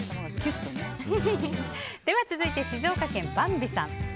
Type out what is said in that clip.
では続いて、静岡県の方。